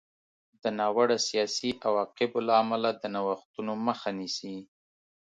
د ناوړه سیاسي عواقبو له امله د نوښتونو مخه نیسي.